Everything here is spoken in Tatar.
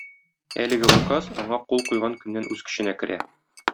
Әлеге Указ аңа кул куйган көннән үз көченә керә.